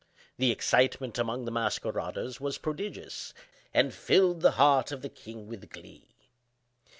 The excitement among the masqueraders was prodigious, and filled the heart of the king with glee.